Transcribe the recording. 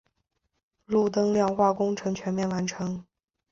路灯亮化工程全面完成。